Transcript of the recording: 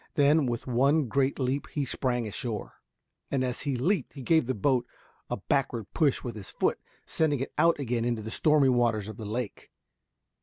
Then with one great leap he sprang ashore, and as he leaped he gave the boat a backward push with his foot, sending it out again into the stormy waters of the lake.